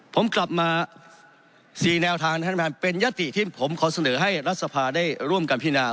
ผมกลับมา๔แนวทางท่านประธานเป็นยติที่ผมขอเสนอให้รัฐสภาได้ร่วมกันพินา